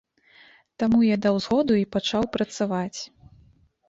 Таму я даў згоду і пачаў працаваць.